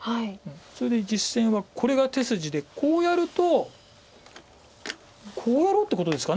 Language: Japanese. それで実戦はこれが手筋でこうやるとこうやろうってことですか。